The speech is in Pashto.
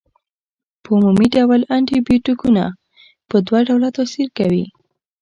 په عمومي ډول انټي بیوټیکونه په دوه ډوله تاثیر کوي.